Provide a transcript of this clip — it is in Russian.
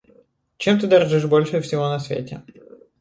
Чем ты дорожишь больше всего на свете?